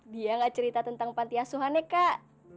dia gak cerita tentang pantiasuhan kak